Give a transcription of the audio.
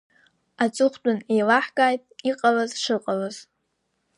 Аҵыхәтәан еилаҳкааит иҟалаз шыҟалаз.